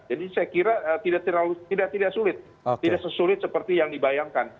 jadi saya kira tidak terlalu sulit tidak sesulit seperti yang dibayangkan